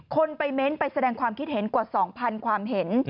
คนไปเม้นต์ไปแสดงความคิดเห็นกว่า๒๐๐ความเห็น